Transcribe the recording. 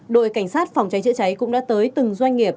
đội cảnh sát phòng cháy chữa cháy cũng đã tới từng doanh nghiệp